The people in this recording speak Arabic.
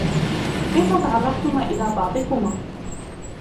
كيف تعرفتما إلى بعضكما ؟